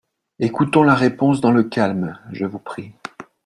Écoutons la réponse dans le calme, je vous prie.